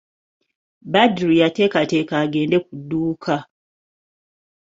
Badru yateekateeka agende ku dduuka.